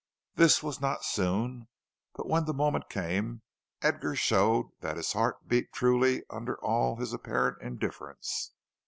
This was not soon, but when the moment came, Edgar showed that his heart beat truly under all his apparent indifference.